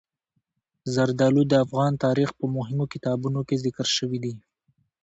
زردالو د افغان تاریخ په مهمو کتابونو کې ذکر شوي دي.